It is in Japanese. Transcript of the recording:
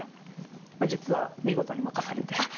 実は見事に負かされて。